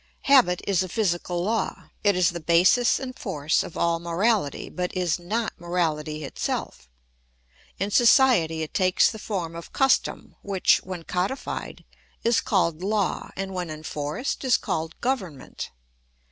Habit is a physical law. It is the basis and force of all morality, but is not morality itself. In society it takes the form of custom which, when codified, is called law and when enforced is called government.